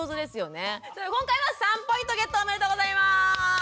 今回は３ポイントゲットおめでとうございます。